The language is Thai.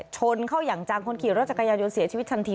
ชนเข้าอย่างจังคนขี่รถจักรยานยนต์เสียชีวิตทันที